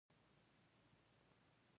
هيڅ کله نه